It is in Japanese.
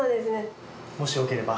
もしよければ。